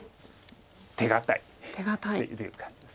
手堅いっていう感じですよね。